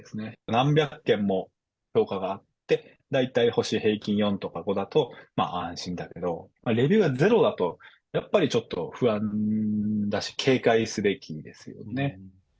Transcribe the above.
何百件も評価があって、大体平均星４とか５だと安心だけど、レビューが０だと、やっぱりちょっと不安だし、警戒すべきですよね。